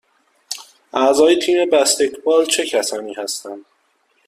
اعضای تیم بسکتبال چه کسانی هستند؟